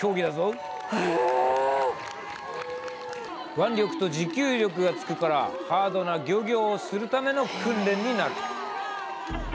腕力と持久力がつくからハードな漁業をするための訓練になる。